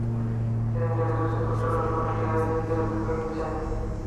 ইদানীং দেখা যাচ্ছে, তুচ্ছ কারণে অনেকেই আইন নিজের হাতে তুলে নিচ্ছেন।